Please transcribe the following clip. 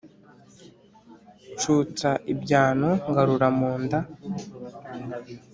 nshutsa ibyano ngarura mu nda,